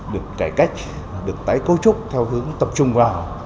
được cải cách được tái cấu trúc theo hướng tập trung vào